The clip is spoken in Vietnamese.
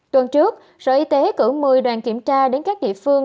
tuần trước sở y tế cử một mươi đoàn kiểm tra đến các địa phương